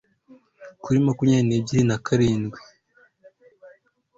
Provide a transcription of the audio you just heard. kuri makumyabiri n'ebyiri nakarindwi